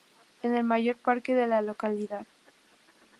En el mayor parque de la localidad.